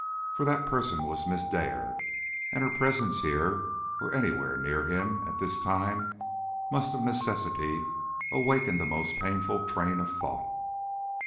For that person was Miss Dare, and her presence here, or anywhere near him, at this time, must of necessity, awaken a most painful train of thought.